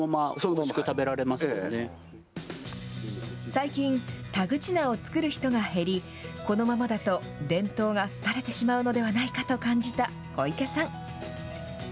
最近、田口菜を作る人が減り、このままだと伝統が廃れてしまうのではないかと感じた小池さん。